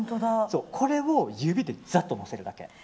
これを指でざっとのせるだけ。